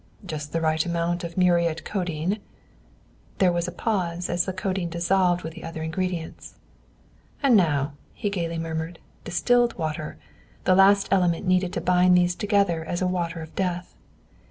"Just the right amount of muriate codine" There was a pause, as the codine dissolved with the other ingredients. "And now," he gaily murmured, "distilled water," the last element needed to bind these together as a water of death.